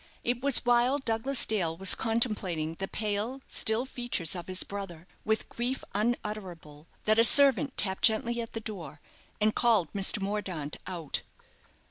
It was while Douglas Dale was contemplating the pale, still features of his brother, with grief unutterable, that a servant tapped gently at the door, and called Mr. Mordaunt out.